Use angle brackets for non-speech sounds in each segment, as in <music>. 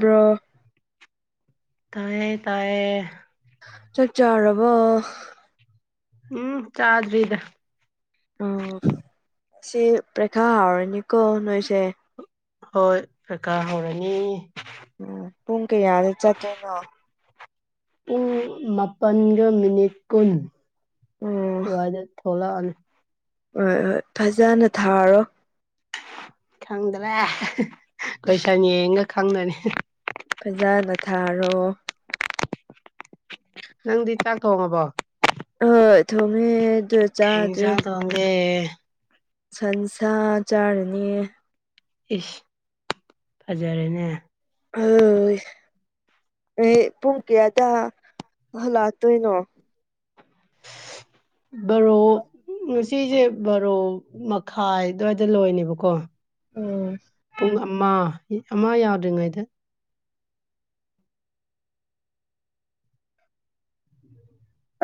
ꯕꯔꯣ ꯇꯥꯌꯦ ꯇꯥꯌꯦ ꯆꯥꯛ ꯆꯥꯔꯕꯣ ꯎꯝ ꯆꯥꯗꯔꯤꯗ ꯑꯣ ꯁꯤ ꯄ꯭ꯔꯦꯈꯥ ꯍꯥꯎꯔꯅꯤ ꯀꯣ ꯅꯣꯏꯁꯦ ꯍꯣꯏ ꯄꯩꯀꯥ ꯍꯧꯔꯅꯤ ꯎꯝ ꯄꯨꯡ ꯀꯌꯥꯗ ꯆꯠꯇꯣꯏꯅꯣ ꯄꯨꯡ ꯃꯥꯄꯟꯒ ꯃꯤꯅꯤꯠ ꯀꯨꯟ ꯎꯝ ꯑꯗꯨꯋꯥꯏꯗ ꯊꯣꯛꯂꯛꯑꯅꯤ ꯍꯣꯏ ꯍꯣꯏ ꯐꯖꯅ ꯊꯥꯔꯣ ꯈꯪꯗ꯭ꯔꯦ ꯀꯣꯏꯁꯟ ꯌꯦꯡꯒ ꯈꯪꯒꯅꯤ ꯐꯖꯅ ꯊꯥꯔꯣ ꯅꯪꯗꯤ ꯆꯥꯛ ꯊꯣꯡꯉꯕꯣ ꯑ ꯊ‌ꯣꯡꯉ‌ꯦ ꯀꯩ ꯑꯦꯟꯖꯥꯡ ꯊꯣꯡꯒꯦ ꯁꯟꯁꯥ ꯆꯥꯔꯅꯤꯌ‌ꯦ ꯏꯁ ꯐꯖꯔꯦꯅꯦ ꯍ ꯅ‌ꯣꯏ ꯄꯨꯡ ꯀꯌꯥꯗ ꯍꯜꯂꯥꯛꯇꯣꯏꯅꯣ ꯕꯔꯣ ꯉꯁꯤꯁꯦ ꯕꯔꯣ ꯃꯈꯥꯏ ꯑꯗꯨꯋꯥꯏꯗ ꯂꯣꯏꯅꯦꯕꯀꯣ ꯎꯝ ꯄꯨꯡ ꯑꯃ ꯑꯃ ꯌꯥꯎꯗ꯭ꯔꯤꯉꯩꯗ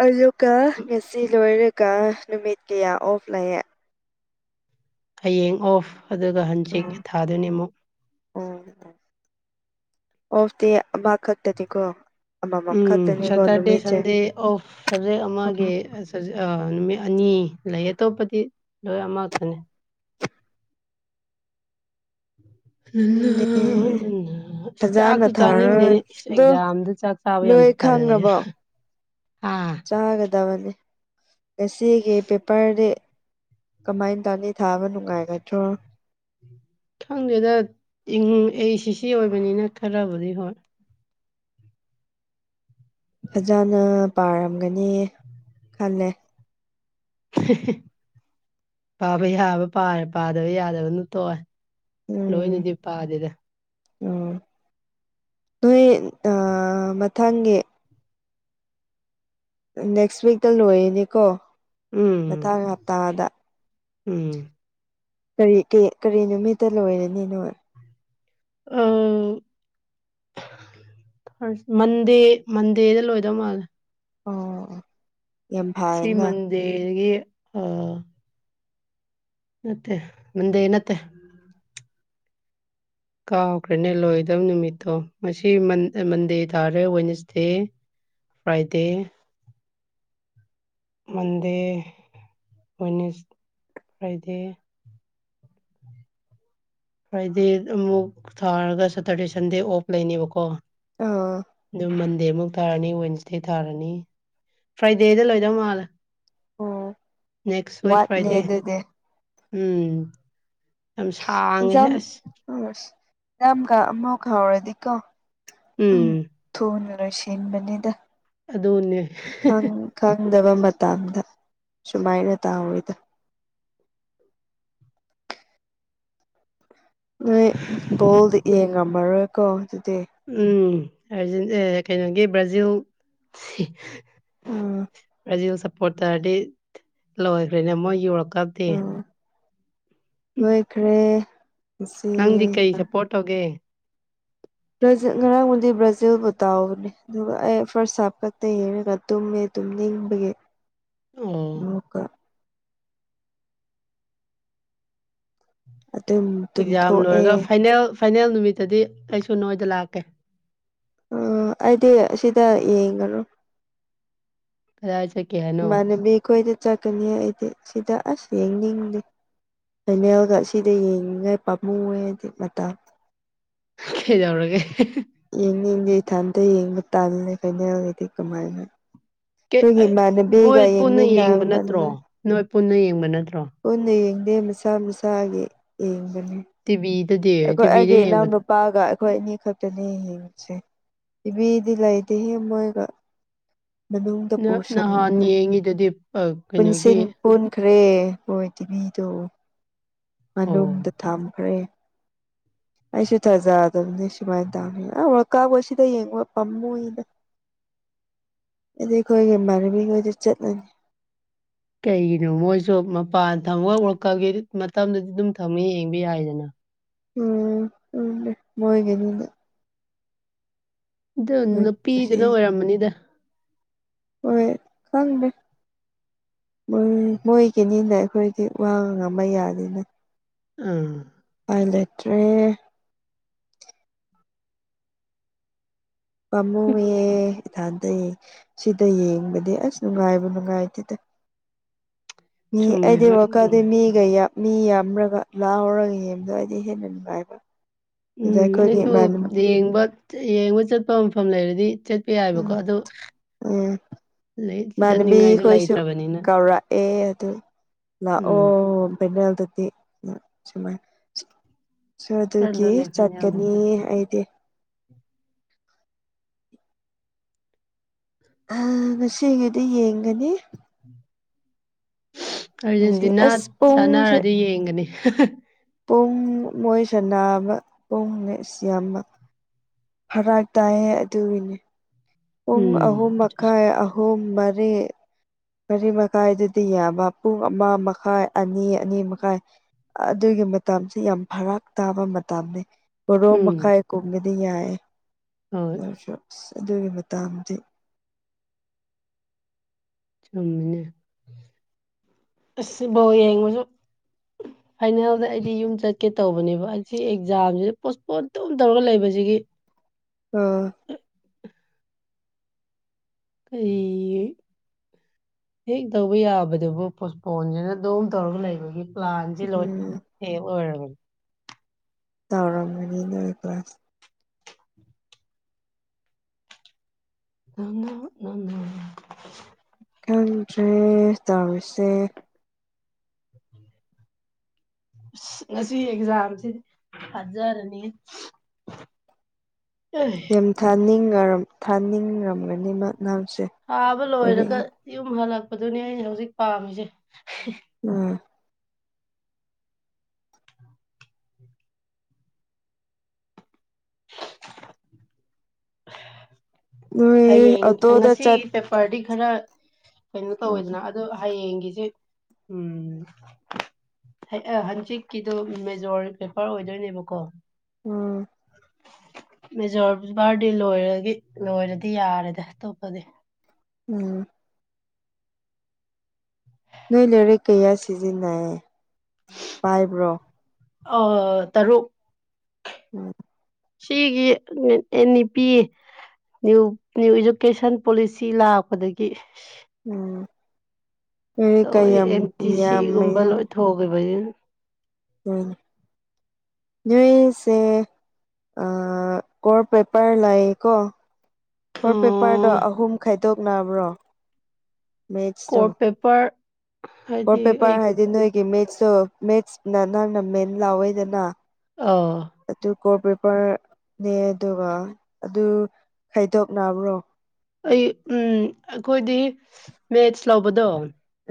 ꯑꯗꯨꯒ ꯉꯁꯤ ꯂꯣꯏꯔꯒ ꯅꯨꯃꯤꯠ ꯀꯌꯥ ꯑꯣꯐ ꯂꯩꯥꯑꯦ ꯍꯌꯦꯡ ꯑꯣꯐ ꯑꯗꯨꯒ ꯍꯪꯆꯤꯛ ꯊꯥꯗꯨꯏꯅꯤ ꯑꯃꯨꯛ ꯑꯣ ꯑꯣꯐꯗꯤ ꯑꯃ ꯈꯛꯇꯗꯤꯀꯣ ꯎꯝ ꯁꯇꯔꯗꯦ ꯁꯟꯗꯦ ꯑꯣꯐ ꯁꯕꯖꯦꯛ ꯑꯃꯒꯤ ꯅꯨꯃꯤꯠ ꯑꯅꯤ ꯂꯩꯌꯦ ꯑꯇꯣꯞꯄꯗꯤ ꯂꯣꯏ ꯑꯃꯈꯛꯇꯅꯦ ꯐꯖꯅ ꯆꯥꯛꯇꯨ ꯊꯥꯔꯒ ꯆꯥꯅꯤꯡꯗꯦꯅꯦ ꯑꯗꯣ ꯑꯦꯛꯖꯥꯝꯗ ꯆꯥꯛ ꯆꯥꯕ ꯌꯥꯝ ꯅꯣꯏ ꯇꯜꯂꯦ ꯈꯪꯔꯕꯣ ꯑ ꯆꯥꯒꯗꯕꯅꯤ ꯉꯁꯤꯒꯤ ꯄꯦꯄꯔꯗꯤ ꯀꯃꯥꯏꯅ ꯇꯧꯅꯤ ꯊꯥꯕ ꯅꯨꯡꯉꯥꯏꯒꯗ꯭ꯔꯣ ꯈꯪꯗꯦꯗ ꯏꯪ ꯑꯩ ꯁꯤ ꯁꯤ ꯑꯣꯏꯕꯅꯤꯅ ꯈꯔꯕꯨꯗꯤ ꯍꯣꯏ ꯐꯖꯅ ꯄꯥꯔꯝꯒꯅꯤ ꯈꯜꯂꯦ ꯄꯥꯕ ꯌꯥꯕꯥ ꯄꯥꯔ‌ꯦ ꯄꯥꯗꯕ ꯌꯥꯗꯕꯅ ꯇꯣꯛꯑꯦ ꯎꯝ ꯂꯣꯏꯅꯗꯤ ꯄꯥꯗꯦꯗ ꯎꯝ ꯅꯣꯏ ꯃꯊꯪꯒꯤ ꯅꯦꯛꯁ ꯋꯤꯛꯇ ꯂꯣꯏꯔꯤꯅꯦꯀꯣ ꯎꯝ ꯃꯊꯥꯡ ꯍꯞꯇꯥꯗ ꯎꯝ ꯀꯔꯤ ꯀ ꯀꯔꯤ ꯅꯨꯃꯤꯠꯇ ꯂꯣꯏꯔꯅꯤ ꯅ‌ꯣꯏ ꯑ ꯃꯟꯗꯦ ꯃꯟꯗꯦꯗ ꯂꯣꯏꯗꯧ ꯃꯥꯜꯂꯦ ꯑꯣ ꯌꯥꯝ ꯁꯤ ꯐꯥꯏꯅ ꯃꯟꯗ‌ꯦꯗꯒꯤ ꯑ ꯅꯠꯇ‌ꯩ ꯃꯟꯗꯦ ꯅꯠꯇꯦ ꯀꯥꯎꯈ꯭ꯔꯦꯅꯦ ꯂꯣꯏꯗꯕ ꯅꯨꯃꯤꯠꯇꯣ ꯉꯁꯤ ꯃꯟ ꯃꯟꯗꯦ ꯇꯥꯔꯦ Wednesday Friday Monday Wednesday Friday Friday ꯑꯃꯨꯛ ꯊꯥꯔꯒ ꯁꯇꯔꯗꯦ ꯁꯟꯗꯦ ꯑꯣꯐ ꯂꯩꯅꯦꯕꯀꯣ ꯑ ꯑꯗꯨ ꯃꯟꯗꯦ ꯃꯨꯛ ꯇꯥꯔꯅꯤ ꯋꯦꯟꯁꯗꯦ ꯇꯥꯔꯅꯤ ꯐ꯭ꯔꯥꯏꯗꯦꯗ ꯂꯣꯏꯗꯧ ꯃꯥꯜꯂꯦ ꯑꯣ ꯅꯦꯛꯁ ꯋꯤꯛ ꯋꯥꯠꯂꯦ ꯐ꯭ꯔꯥꯏꯗꯦ ꯑꯗꯨꯗꯤ ꯎꯝ ꯌꯥꯝ ꯁꯥꯡꯉꯦꯍꯦ ꯑꯦꯛꯖꯥꯝ ꯑꯁ ꯑꯁ ꯌꯥꯝꯀ ꯑꯃ ꯈꯥꯎꯔꯗꯤꯀꯣ ꯑꯗꯨꯝ ꯎꯝ ꯊꯨꯅꯂꫭꯏ ꯁꯤꯟꯕꯅꯤꯗ ꯑꯗꯨꯅꯦ ꯈꯪ ꯈꯪꯗꯕ ꯃꯇꯝꯗ ꯁꯨꯃꯥꯏꯅ ꯇꯥꯎꯋꯦꯗ ꯅꯣꯏ ꯕꯣꯜꯗꯤ ꯌꯦꯡꯉꯝꯃꯔꯣꯏꯀꯣ ꯑꯗꯨꯗꯤ ꯎꯝ ꯀꯩꯅꯣꯒꯤ ꯕ꯭ꯔꯥꯖꯤꯜ ꯎꯝ ꯄ꯭ꯔꯖꯤꯜ ꯁꯄꯣꯔꯠ ꯇꯔꯗꯤ ꯂꯣꯏꯈ꯭ꯔꯦꯅꯦ ꯃꯣꯏꯒꯤ ꯋꯥꯜ ꯀꯞꯇꯤ ꯂꫭꯏꯈ꯭ꯔꯦ ꯅꯪꯗꯤ ꯀꯩ ꯁꯞꯄꯣꯔꯠ ꯇꯧꯒꯦ ꯕ꯭ꯔꯖꯤ ꯉꯔꯥꯡꯕꯨꯗꯤ ꯕ꯭ꯔꯥꯖꯤꯜꯕꯨ ꯇꯧꯕꯅꯦ ꯑꯗꯨꯒ ꯑꯩ ꯐꯥꯔꯁ ꯍꯥꯞꯇ ꯇꯨꯌꯦꯡꯒ ꯇꯨꯝꯃꯦ ꯇꯨꯝꯅꯤꯡꯕꯒꯤ ꯑꯣ ꯑꯣꯀ <unintelligible> ꯑꯗꯨꯝ ꯑꯦꯛꯖꯥꯝ ꯇꯨꯝꯊꯣꯛꯑꯦ ꯂꯣꯏꯔꯒ ꯐꯥꯏꯅꯦꯜ ꯐꯥꯏꯅꯦꯜ ꯅꯨꯃꯤꯠꯇꯗꯤ ꯑꯩꯁꯨ ꯅꯣꯏꯗ ꯂꯥꯛꯀꯦ ꯎ ꯑꯩꯗꯤ ꯁꯤꯗ ꯌꯦꯡꯉꯔꫭꯏ ꯀꯔꯥꯏ ꯆꯠꯀꯦ ꯍꯥ ꯏꯃꯥꯟꯅꯕꯤ ꯈꯣꯏꯗ ꯆꯠꯀꯅꯤ ꯑꯩꯗꯤ ꯁꯤꯗ ꯑꯁ ꯌꯦꯡꯅꯤꯡꯗꯦ ꯐꯦꯅꯦꯜꯗ ꯁꯤꯗ ꯌꯦꯡꯂꯤꯉꯥꯏ ꯄꯥꯝꯃꯨꯋꯦꯗꯤ ꯃꯇꯥꯡ ꯀꯩꯗꯧꯔꯒꯦ ꯌꯦꯡꯅꯤꯡꯗꯦ ꯏꯊꯟꯇ ꯌꯦꯡꯕ ꯇꯥꯜꯂꯦ ꯐꯩꯅꯦꯜꯗꯤ ꯀꯃꯥꯏꯅ ꯑꯩꯈꯣꯏꯒꯤ ꯅꯣꯏ ꯏꯃꯥꯟꯅꯕꯤꯒ ꯄꯨꯟꯅ ꯌꯦꯡꯕ ꯌꯦꯡꯃꯤꯟꯅꯕꯅ ꯅꯠꯇ꯭ꯔꯣ ꯑꯗꯨꯃꯥꯏꯅ ꯅꯣꯏ ꯄꯨꯟꯅ ꯌꯦꯡꯕ ꯅꯠꯇ꯭ꯔꯣ ꯄꯨꯟꯅ ꯌꯦꯡꯗꯦ ꯃꯁꯥ ꯃꯁꯥꯒꯤ ꯌꯦꯡꯕꯅꯦ ꯇꯤꯕꯤꯗꯗꯤ ꯇꯤꯚꯤꯗ ꯌꯦꯡꯕꯗ ꯅꯨꯄꯥꯒ ꯑꯩꯈꯣꯏ ꯑꯅꯤ ꯈꯛꯇꯅꯦ ꯌꯦꯡꯉꯤꯁꯦ ꯏꯕꯤꯗꯤ ꯂꯩꯇꯦꯍꯦ ꯃꯣꯏꯗ ꯑꯗꫭꯝꯗ ꯅ- ꯅꯍꯥꯟ ꯄꯨꯁꯤꯟꯒꯔꫭ ꯌꯦꯡꯉꯤꯗꯨꯗꯤ ꯑ, ꯄꯨꯟꯁꯤ ꯀꯩꯅꯣꯒꯤ ꯑꯣꯟꯈ꯭ꯔꯦ ꯑꯈꫭꯏ ꯇꯤꯚꯤꯗꯣ ꯑꯣ ꯃꯅꯨꯡꯗ ꯊꯝꯈ꯭ꯔꯦ ꯑꯩꯁꯨ ꯊꯥꯖꯗꯕꯅꯤ ꯁꯨꯃꯥꯏꯅ ꯇꯧꯅꯤꯅ ꯑ ꯋꯥꯜꯀꯞ ꯁꯤꯗ ꯌꯦꯡꯕ ꯄꯥꯝꯃꯨꯏꯅꯦ ꯑꯩꯗꯤ ꯑꯩꯈꯣꯏꯒꯤ ꯏꯃꯥꯟꯅꯕꯤꯈꯣꯏꯗꯤ ꯆꯠꯂꯅꯤ ꯀꯩꯒꯤꯅꯣ ꯃꯣꯏꯁꯨ ꯃꯄꯥꯟ ꯊꯝꯃ ꯋꯥꯜꯀꯞꯒꯤ ꯃꯇꯝꯗꯗꯤ ꯑꯗꯨꯝ ꯊꯝꯃ ꯌꯦꯡꯕ ꯌꯥꯏꯗꯅ ꯎꯝ ꯈꯪꯗꯦ ꯃꫭꯏꯒꯤꯅꯤꯅ ꯑꯗꯨ ꯅꯨꯄꯤꯗꯨꯅ ꯑꯣꯏꯔꯝꯃꯅꯤꯗ ꯍꯣꯏ ꯈꯪꯗꯦ ꯃꯣꯏ ꯃꯣꯏꯒꯤꯅꯤꯅ ꯑꯩꯈꯣꯏꯗꯤ ꯋꯥꯕ ꯉꯝꯕ ꯌꯥꯗꯦꯅꯦ ꯑꯝ ꯎꯄꯥꯏ ꯂꯩꯇ꯭ꯔꯦ ꯄꯥꯝꯃꯨꯏꯌꯦ ꯏꯊꯥꯟꯇ ꯌꯦꯡ ꯁꯤꯗ ꯌꯦꯡꯕꯗꯤ ꯑꯁ ꯅꯨꯡꯉꯥꯏꯕꯨ ꯅꯨꯡꯉꯥꯏꯇꯦꯗ ꯃꯤ ꯆꯨꯝꯃꯦ ꯑꯩꯗꯤ ꯍꯣꯏ ꯋꯥꯜ ꯎꯝ ꯀꯞꯇꯤ ꯃꯤ ꯃꯤꯒ ꯌꯝ ꯃꯤ ꯌꯥꯝꯔꯒ ꯂꯥꯎꯔꯒ ꯌꯦꯕꯗꯣ ꯑꯩꯗꯤ ꯍꯦꯟꯅ ꯅꯨꯡꯉꯥꯏꯕ ꯑꯗꯨꯗ ꯎꯝ ꯑꯩꯈꯣꯏꯒꯤ ꯑꯩꯁꯨ ꯏꯃꯥꯟꯅꯕ ꯌꯦꯡꯕ ꯌꯦꯡꯕ ꯆꯠꯄ ꯃꯐꯝ ꯂꯩꯔꯗꯤ ꯆꯠ ꯆꯠꯄ ꯌꯥꯏꯕꯀꯣ ꯎꯝ ꯑꯗꯨ ꯑꯗꯩ ꯆꯠꯅꯤꯡꯉꯥꯏꯁꯨ ꯂꯩꯇ꯭ꯔꯕꯅꯤꯅ ꯑꯦ ꯑꯗꯨ ꯂꯥꯛ ꯎꯝ ꯑꯣꯐꯥꯏꯅꯦꯜꯗꯗꯤ ꯆꯃꯥꯏ ꯆꯔꯗꯒꯤ ꯆꯠꯂꯣꯅꯦ ꯆꯠꯀꯅꯤ ꯐꯥꯏꯅꯦꯜꯗꯨꯗꯤ ꯑꯩꯗꯤ ꯑ ꯉꯁꯤꯒꯤꯗꯤ ꯌꯦꯡꯒꯅꯤ ꯉꯁꯤ ꯑꯥꯔꯖꯦꯟꯇꯤꯅꯥ ꯑꯁ ꯄꯨꯡꯁꯦ ꯆꯥꯟꯅꯔꯗꯤ ꯌꯦꯡꯒꯅꯤ ꯄꯨꯡ ꯃꯣꯏ ꯁꯥꯟꯅꯕ ꯄꯨꯡ ꯃꯦꯁ ꯌꯥꯝꯕ ꯐꯔꯛ ꯇꯥꯏꯌꯦ ꯑꯗꯨꯒꯤꯅꯦ ꯄꯨꯡ ꯎꯝ ꯑꯍꯨꯝ ꯑꯗꯨꯁꯨ ꯃꯈꯥꯏ ꯑꯍꯨꯝ ꯃꯔꯤ ꯃꯔꯤ ꯃꯈꯥꯏꯗꯗꯤ ꯌꯥꯕ ꯄꯨꯡ ꯑꯃ ꯃꯈꯥꯏ ꯑꯅꯤ ꯑꯅꯤ ꯃꯈꯥꯏ ꯑꯗꯨꯒꯤ ꯃꯇꯝꯁꯤ ꯌꯥꯝ ꯐꯔꯛ ꯇꯥꯕ ꯃꯇꯝꯅꯤ ꯕꯥꯔꯣ ꯎꯝ ꯃꯈꯥꯏ ꯀꯨꯝꯕꯗꯤ ꯌꯥꯏꯌꯦ ꯍꯣꯏ ꯅꯣꯏꯁꯨ ꯑꯁ ꯑꯗꯨꯒꯤ ꯃꯇꯥꯡꯗꯤ ꯆꯨꯝꯃꯤꯅꯦ ꯑꯁ ꯕꯣꯜ ꯌꯦꯡꯕꯖꯨ ꯐꯥꯏꯅꯦꯜꯗ ꯑꯩꯗꯤ ꯌꯨꯝ ꯆꯠꯀꯦ ꯇꯧꯕꯅꯦꯕ ꯑꯁꯤ ꯑꯦꯛꯖꯥꯝꯖꯤ ꯄꯣꯁꯄꯣꯟ ꯇꯨꯝ ꯇꯧꯔꯒ ꯂꯩꯕꯖꯤꯒꯤ ꯑꯥ ꯀꯔꯤ ꯍꯦꯛ ꯇꯧꯕ ꯌꯥꯕꯗꯨꯕꯨ ꯄꯣꯁꯄꯣꯟꯖꯤꯅ ꯑꯗꯨꯝ ꯇꯧꯔꯒ ꯂꯩꯕꯒꯤ ꯄ꯭ꯂꯥꯟ ꯖꯦ ꯂꯣꯏ ꯎꯝ ꯐꯦꯜ ꯑꯣꯏꯔꯕꯅꯤ ꯇꯧꯔꯝꯒꯅꯤ ꯅꯣꯏ ꯀ꯭ꯂꯥꯁ <inaudible> ꯈꯪꯗ꯭ꯔꯦ ꯇꯧꯔꯤꯁꯦ ꯑꯁ ꯉꯁꯤ ꯑꯦꯛꯖꯥꯝ ꯖꯤꯗꯤ ꯐꯖꯔꯅꯤ ꯑꯦ ꯎꯝ ꯊꯥꯅꯤꯡ ꯉꯔꯝ ꯊꯥꯅꯤꯡꯔꯝꯒꯅꯤ ꯃꯅꯥꯁꯦ ꯊꯥꯕ ꯂꯣꯏꯔꯒ ꯌꯨꯝ ꯍꯜꯂꯛꯄꯗꯨꯅꯦ ꯑꯩꯅ ꯍꯧꯖꯤꯛ ꯄꯥꯝꯃꯤꯖꯦ ꯎꯝ ꯅꯣꯏ ꯍꯌꯦꯡ ꯑꯣꯇꯣꯗ ꯉꯁꯤ ꯆꯠ ꯄꯦꯄꯔꯗꯤ ꯈꯔ ꯀꯩꯅꯣ ꯎꯝ ꯇꯧꯋꯦꯗꯅ ꯑꯗꯣ ꯍꯌꯦꯡꯒꯤꯁꯦ ꯎꯝ ꯍꯦ ꯑ ꯍꯪꯆꯤꯠꯀꯤꯗꯣ ꯃꯦꯖꯣꯔ ꯄꯦꯄꯔ ꯑꯣꯏꯗꯣꯏꯅꯦꯕꯀꯣ ꯑꯥ ꯃꯦꯖꯣꯔ ꯄꯦꯄꯔꯗꯤ ꯂꯣꯏꯔꯗꯤ ꯂꯣꯏꯔꯗꯤ ꯌꯥꯔꯦꯗ ꯑꯇꯣꯞꯄꯗꯤ ꯎꯝ ꯅꯣꯏ ꯂꯥꯏꯔꯤꯛ ꯀꯌꯥ ꯁꯤꯖꯤꯟꯅꯩ ꯄꯥꯏꯕ꯭ꯔꯣ ꯑꯥ ꯇꯔꯨꯛ ꯎꯝ ꯁꯤꯒꯤ ꯑꯦ NEP new new education policy ꯂꯥꯛꯄꯗꯒꯤ ꯎꯝ ꯃꯤ ꯀꯌꯥꯝ ꯌꯥꯝ ꯃꯌꯥꯝ ꯍꯧꯒꯤꯕꯏ ꯎꯝ ꯅꯣꯏꯁꯦ ꯑꯥ ꯀꯣꯔ ꯄꯦꯄꯔ ꯂꯩꯀꯣ ꯀꯣꯔ ꯄꯦꯄꯔꯗꯣ ꯑꯣ ꯑꯍꯨꯝ ꯈꯥꯏꯗꯣꯛ ꯅꯕ꯭ꯔꯣ ꯀꯣꯔ ꯄꯦꯄꯔ ꯍꯥꯏꯗꯤ ꯀꯣꯔ ꯑꯩ ꯄꯦꯄꯔ ꯍꯥꯏꯗꯤ ꯅꯣꯏꯒꯤ ꯃꯦꯠꯁꯇꯣ ꯃꯦꯠꯁꯅ ꯅꯪꯅ ꯃꯦꯟ ꯂꯧꯋꯦꯗꯅ ꯑꯥ ꯑꯗꯨ ꯀꯣꯔ ꯄꯦꯄꯔ ꯅꯦ ꯑꯗꯨꯒ ꯑꯗꯨ ꯈꯥꯏꯗꯣꯛꯅꯕ꯭ꯔꯣ ꯑꯩ ꯎꯝ ꯑꯩꯈꯣꯏꯗꯤ ꯃꯦꯠꯁ ꯂꯧꯕꯗꯣ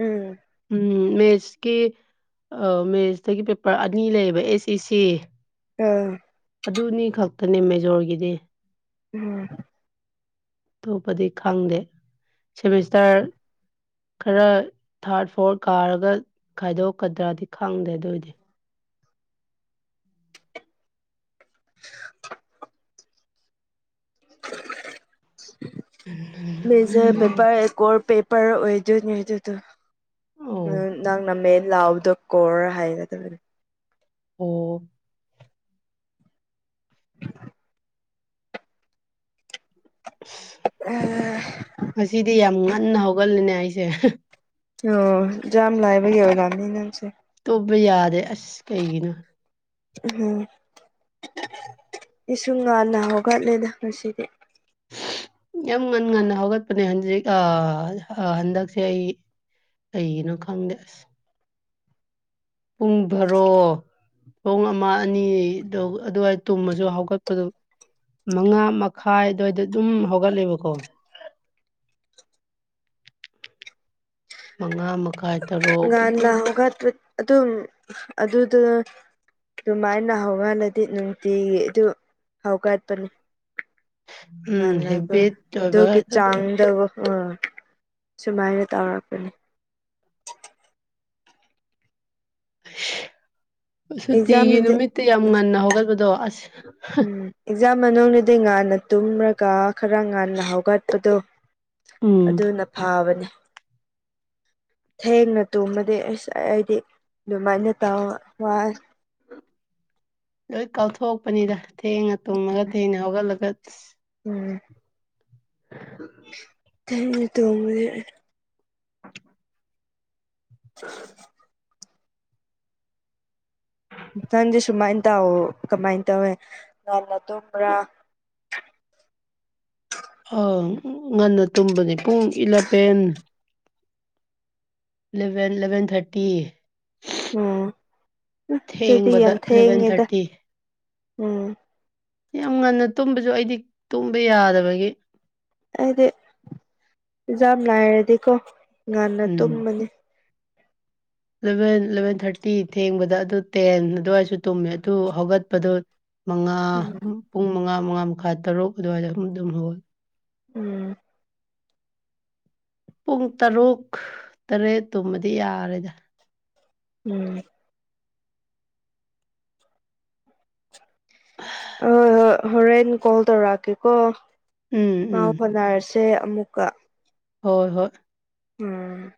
ꯎꯝ ꯎꯝ ꯃꯦꯠꯁꯀꯤ ꯑ ꯃꯦꯠꯁꯇꯒꯤ ꯄꯦꯄꯔ ꯑꯅꯤ ꯂꯩꯌꯦꯕ ꯑꯦꯁ ꯏ ꯁꯤ ꯑꯥ ꯑꯗꯨꯅꯤ ꯈꯛꯇꯅꯦ ꯃꯦꯖꯣꯔꯒꯤꯗꯤ ꯎꯝ ꯑꯇꯣꯞꯄꯗꯤ ꯈꯪꯗꯦ ꯁꯦꯃꯤꯁꯇꯥꯔ ꯈꯔ ꯊꯥꯔꯠ ꯐꯣꯔ ꯀꯥꯔꯒ ꯈꯥꯏꯗꯣꯛꯀꯗ꯭ꯔꯗꯤ ꯈꯪꯗꯦ ꯑꯗꯨꯏꯗꯤ <inaudible> ꯎꯝ ꯎꯝ ꯃꯦꯖꯔ ꯄꯦꯄꯔ ꯑꯦ ꯀꯣꯔ ꯄꯦꯄꯔ ꯑꯣꯏꯗꯣꯏꯅꯦ ꯑꯗꯨꯗꯣ ꯑꯣ ꯅꯪꯅ ꯃꯦꯟ ꯂꯥꯎꯕꯗꯣ ꯀꯣꯔ ꯍꯥꯏꯒꯗꯕꯅꯤ ꯑꯣ <inaudible> <inaudible> <inaudible> ꯉꯗꯤ ꯌꯥꯝ ꯉꯟꯅ ꯍꯧꯒꯠꯂꯅꯦ ꯑꯩꯁꯦ ꯑꯣ ꯌꯥꯝꯝ ꯂꯥꯛꯑꯕ ꯌꯥ ꯉꯃꯤ ꯅꯁꯦ ꯇꯨꯝꯕ ꯌꯥꯗꯦ ꯑꯁ ꯀꯩꯒꯤꯅꯣ ꯍꯝ ꯏꯁꯁꯨ ꯉꯥꯟꯟꯅ ꯍꯧꯒꯠꯂꯦꯗ ꯉꯁꯤꯗꯤ ꯌꯥꯝ ꯉꯟꯅ ꯉꯟꯅ ꯍꯧꯒꯠꯄꯅꯦ ꯍꯟꯖꯤꯛ ꯍꯟꯗꯛꯁꯦ ꯑꯩ ꯀꯒꯤꯩꯅꯣ ꯈꯪꯗꯦ ꯑꯁ ꯄꯨꯡ ꯐꯔꯣ ꯄꯨꯡ ꯑꯃ ꯑꯅꯤꯗꯨ ꯑꯗꯨꯋꯥꯏ ꯇꯨꯝꯃꯁꯨ ꯍꯧꯒꯠꯄꯗꯨ ꯃꯉꯥ ꯃꯈꯥꯏ ꯑꯗꯨꯋꯥꯏꯗ ꯑꯗꯨꯝ ꯍꯧꯒꯠꯂꯦꯕꯀꯣ ꯃꯉꯥ ꯀꯥꯏ ꯇꯔꯣ ꯉꯥꯟ ꯂꯒ ꯑꯗꯨ ꯑꯗꯨꯗꯨ ꯑꯗꯨꯃꯥꯏꯅ ꯍꯧꯍꯜꯂꯗꯤ ꯅꯨꯡꯇꯤꯒꯤ ꯑꯗꯨ ꯍꯧꯒꯠꯄꯅꯤ ꯎꯝ ꯉꯅꯒ ꯍꯦꯕꯤꯠ ꯑꯣꯏꯕ ꯗꯣꯒꯤ ꯑꯗꯨ ꯆꯥꯡꯗ ꯑꯣꯥ ꯁꯨꯃꯥꯏꯅ ꯇꯧꯔꯛꯄꯅꯤ ꯑꯁ ꯁꯨꯇꯤꯒꯤ ꯑꯦꯛꯖꯥꯝꯗꯗꯤ ꯅꯨꯃꯤꯠꯇ ꯌꯥꯝ ꯉꯟꯅ ꯍꯧꯒꯠꯄꯗꯣ ꯑꯁ ꯎꯝ ꯑꯦꯛꯖꯥꯝ ꯃꯅꯨꯡꯗꯤ ꯉꯥꯟꯟꯅ ꯇꯨꯝꯔꯒ ꯈꯔ ꯉꯥꯟꯟꯅ ꯍꯧꯒꯠꯄꯗꯣ ꯎꯝ ꯑꯗꯨꯅ ꯐꯥꯕꯅꯤ ꯊꯦꯡꯅ ꯇꯨꯝꯃꯗꯤ ꯑꯁ ꯑꯩꯗꯤ ꯑꯗꯨꯃꯥꯏꯅ ꯇ ꯋꯥ ꯂꯣꯏ ꯀꯥꯎꯊꯣꯛꯄꯅꯤꯗ ꯊꯦꯡꯉ ꯇꯨꯡꯉꯒ ꯊꯦꯡꯅ ꯍꯧꯒꯠꯂꯒ ꯑꯁ ꯎꯝ <inaudible> ꯇꯣꯡꯗ <inaudible> ꯅꯪꯗꯤꯦ ꯁꯨꯃꯥꯏꯅ ꯇꯥꯎꯑꯣ ꯀꯃꯥꯏꯅ ꯇꯧꯋꯦ ꯅꯟꯅ ꯇꯨꯝꯕ꯭ꯔꯥ ꯑ ꯉꯟꯅ ꯇꯨꯝꯕꯅꯤ ꯄꯨꯡ ꯏꯂꯕꯦꯟ ꯏꯂꯚꯦꯟ ꯏꯂꯚꯦꯟ ꯊꯥꯔꯇꯤ ꯎꯝ ꯑꯗꯨꯗꯤ ꯊꯦꯡꯕꯗ ꯌꯥꯝ ꯏꯂꯚꯦꯟ ꯊꯦꯡꯉꯦꯗ ꯊꯥꯔꯇꯤ ꯎꯝ ꯌꯥꯝ ꯉꯟꯅ ꯇꯨꯝꯕꯁꯨ ꯑꯩꯗꯤ ꯇꯨꯝꯕ ꯌꯥꯗꯕꯒꯤ ꯑꯩꯗꯤ ꯑꯦꯖꯥ ꯂꯥꯏꯔꯗꯤꯀꯣ ꯉꯟꯅ ꯎꯝ ꯇꯨꯝꯕꯅꯤ ꯏꯂꯚꯦꯟ ꯏꯂꯚꯦꯟ ꯊꯥꯔꯇꯤ ꯊꯦꯡꯕꯗ ꯑꯗꯨ ꯇꯦꯟ ꯑꯗꯨꯋꯥꯏꯁꯨ ꯇꯨꯝꯃꯦ ꯑꯗꯨ ꯍꯧꯒꯠꯄꯗꯨꯣ ꯃꯉꯥ ꯎꯝ ꯄꯨꯡ ꯃꯉꯥ ꯃꯉꯥ ꯃꯈꯥ ꯇꯔꯨꯛ ꯑꯗꯨꯋꯥꯏꯗ ꯑꯨꯝ ꯑꯗꯨꯝ ꯍꯧꯒꯦ ꯎꯝ ꯄꯨꯡ ꯇꯔꯨꯛ ꯇꯔꯦꯠ ꯇꯨꯝꯃꯗꯤ ꯌꯥꯔꯦꯗ ꯎꯝ ꯑꯣꯏ ꯍꯣꯏ ꯍꯣꯔꯦꯟ ꯀꯣꯜ ꯇꯧꯔꯛꯑꯒꯦꯀꯣ ꯎꯝ ꯄꯥꯎ ꯎꯝ ꯐꯥꯎꯅꯔꯁꯤ ꯁꯦ ꯑꯃꯨꯛꯀ ꯍꯣꯏ ꯍꯣꯏ ꯎꯝ